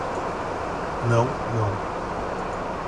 Não, não